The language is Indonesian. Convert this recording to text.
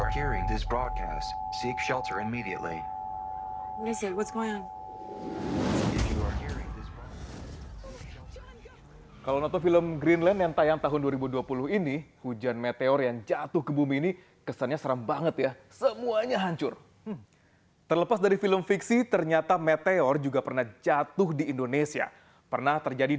jika anda mendengar pemberitahuan ini cari penyelamatan segera